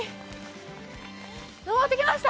登ってきました。